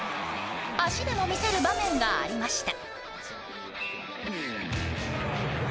足でも見せる場面がありました。